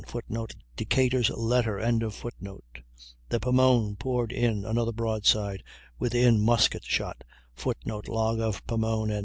[Footnote: Decatur's letter.] The Pomone poured in another broadside, within musket shot, [Footnote: Log of Pomone.